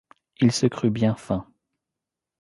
Il se crut bien fin.